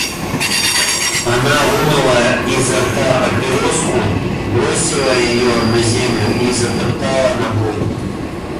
Она вынула изо рта папироску, бросила её на землю и затоптала ногой.